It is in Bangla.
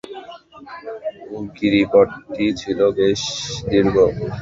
গিরিপথটি ছিল বেশ দীর্ঘ।